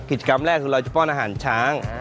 กิจกรรมแรกคือเราจะป้อนอาหารช้าง